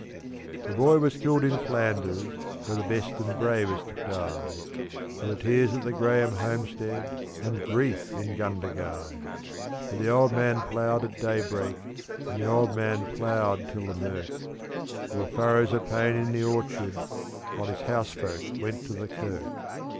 The boy was killed in Flanders, where the best and bravest die. There were tears at the Grahame homestead and grief in Gundagai; But the old man ploughed at daybreak and the old man ploughed till the mirk There were furrows of pain in the orchard while his housefolk went to the kirk.